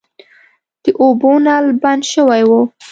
د اوبو نل بند شوی و.